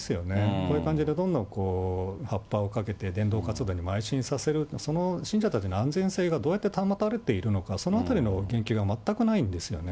こういう感じでどんどんはっぱをかけて伝道活動にまい進させる、その信者たちの安全性がどうやって保たれているのか、そのあたりの言及が全くないんですよね。